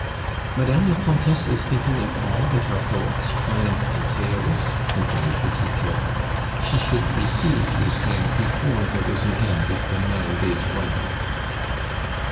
"Madame la Comtesse is thinking of all that our poet's triumph entails?" continued Petit Claud. "She should receive Lucien before there is an end of the nine days' wonder."